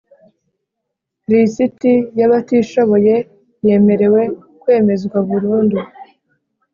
Lisiti y’abatishoboye yemerewe kwemezwa burundu